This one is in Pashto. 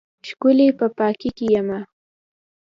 ښکلی په پاکۍ یمه